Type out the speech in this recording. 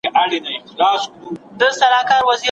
کوم ویټامینونه د ذهن د پیاوړتیا لپاره مهم دي؟